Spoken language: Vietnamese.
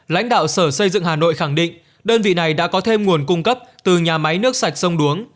lãnh đạo sở xây dựng hà nội khẳng định đơn vị này đã có thêm nguồn cung cấp từ nhà máy nước sạch sông đuống